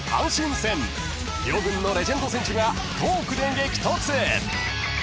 ［両軍のレジェンド選手がトークで激突］